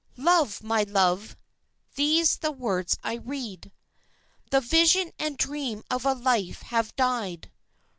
"Love, my love" these the words I read "_The vision and dream of a life have died.